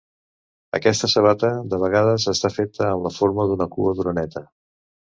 Aquesta sabata de vegades està feta amb la forma d'una cua d'oreneta.